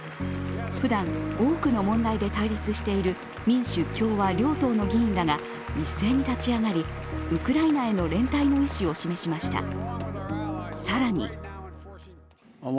ふだん、多くの問題で対立しているう民主・共和両党の議員が一斉に立ち上がり、ウクライナへの連帯の意思を示しました。